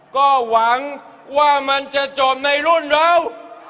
ก็หวังว่ามันจะจบในรุ่นเรา